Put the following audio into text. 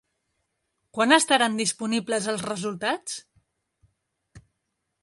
Quan estaran disponibles els resultats?